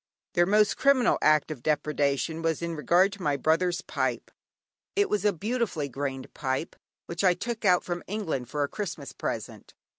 Their most criminal act of depredation, was in regard to my brother's pipe. It was a beautifully grained pipe which I took out from England for a Christmas present.